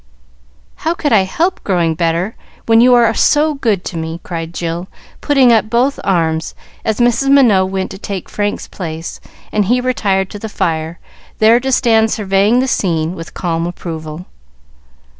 "How could I help growing better, when you were so good to me?" cried Jill, putting up both arms, as Mrs. Minot went to take Frank's place, and he retired to the fire, there to stand surveying the scene with calm approval.